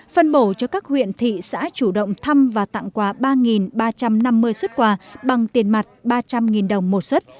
phân bổ cho các huyện thị xã chủ động thăm và tặng quà ba ba trăm năm mươi xuất quà bằng tiền mặt ba trăm linh đồng một xuất